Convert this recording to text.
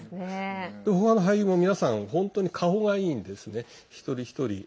他の俳優も皆さん、本当に顔がいいんですね、一人一人。